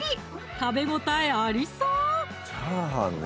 食べ応えありそう！